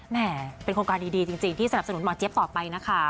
แม่เป็นโครงการดีจริงที่สนับสนุนหมอเจี๊ยบต่อไปนะคะ